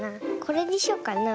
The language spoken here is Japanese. これにしよっかな。